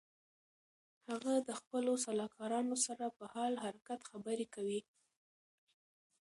هغه د خپلو سلاکارانو سره په حال حرکت خبرې کوي.